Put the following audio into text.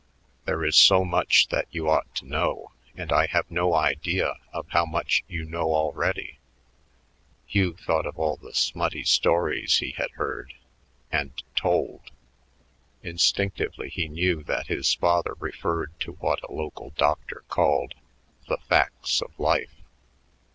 There is so much that you ought to know, and I have no idea of how much you know already." Hugh thought of all the smutty stories he had heard and told. Instinctively he knew that his father referred to what a local doctor called "the facts of life."